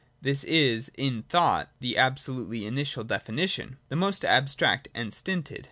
This is (in thought) the absolutely initial definition, the most abstract and stinted.